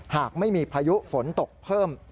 หากไม่มีพายุฝนตกเพิ่ม